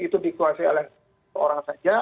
itu dikuasai oleh orang saja